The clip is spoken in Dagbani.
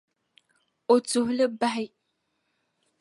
O tuhi li bahi.